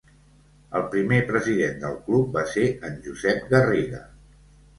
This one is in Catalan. El primer president del club va ser en Josep Garriga.